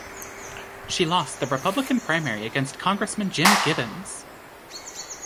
She lost the Republican primary against Congressman Jim Gibbons.